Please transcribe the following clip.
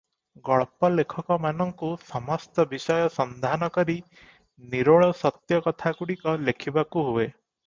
ଗଳ୍ପ ଲେଖକମାନଙ୍କୁ ସମସ୍ତ ବିଷୟ ସନ୍ଧାନ କରି ନିରୋଳ ସତ୍ୟ କଥାଗୁଡିକ ଲେଖିବାକୁ ହୁଏ ।